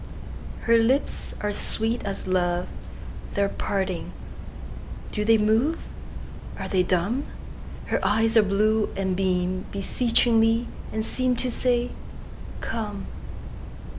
Her lips are sweet as love; They are parting! Do they move? Are they dumb? Her eyes are blue, and beamBeseechingly, and seemTo say, "Come!"